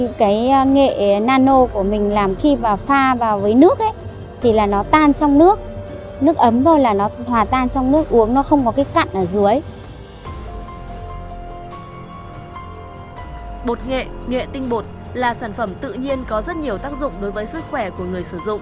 bộ nghệ tinh bột là sản phẩm tự nhiên có rất nhiều tác dụng đối với sức khỏe của người sử dụng